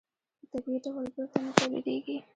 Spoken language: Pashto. په طبیعي ډول بېرته نه تولیدېږي.